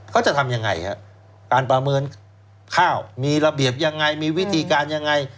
เขาจะทำยังไงฮะการประเมินข้าวมีระเบียบยังไงมีวิธีการยังไง